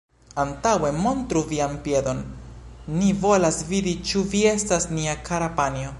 Antaŭe montru vian piedon, ni volas vidi, ĉu vi estas nia kara panjo.